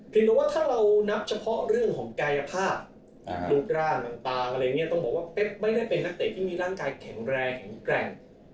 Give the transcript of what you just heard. เพียงแต่ว่าถ้าเรานับเฉพาะเรื่องของกายภาพรูปร่างต่างต้องบอกว่าเบ๊บไม่ได้เป็นนักเตะที่มีร่างกายแข็งแรงแข็งแกร่ง